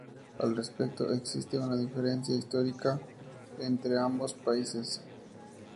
Al respecto, existe una diferencia histórica entre ambos países.